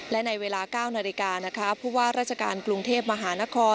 และในเวลา๙นาฬิกานะคะผู้ว่าราชการกรุงเทพมหานคร